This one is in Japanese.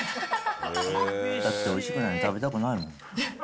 だっておいしくないの、食べたくないもん。